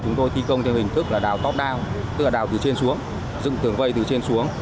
chúng tôi thi công theo hình thức là đào topdao tức là đào từ trên xuống dựng tường vây từ trên xuống